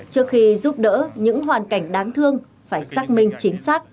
trước khi giúp đỡ những hoàn cảnh đáng thương phải xác minh chính xác